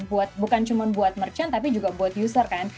buat bukan cuma buat merchant tapi juga buat user kan